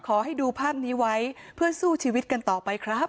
ขอให้ดูภาพนี้ไว้เพื่อสู้ชีวิตกันต่อไปครับ